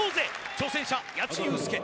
挑戦者、矢地祐介。